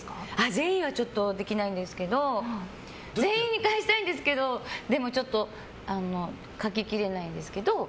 全員はちょっとできないんですけど全員に返したいんですけどでもちょっと書ききれないんですけど。